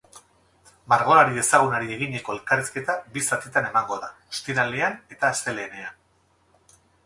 Margolari ezagunari eginiko elkarrizketa bi zatitan emango da, ostiralean eta astelehenean.